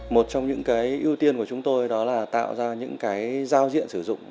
một trong những cái ưu tiên của chúng tôi đó là tạo ra những cái giao diện sử dụng